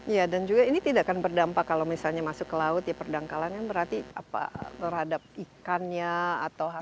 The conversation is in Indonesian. ya dan juga ini tidak akan berdampak kalau misalnya masuk ke laut ya perdangkalan kan berarti apa terhadap ikannya atau hasilnya